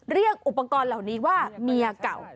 เรียกอุปกรณ์เหล่านี้ว่าเมียเก่า